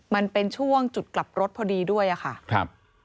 มันเป็นช่วงจุดกลับรถพอดีด้วยอะค่ะครับ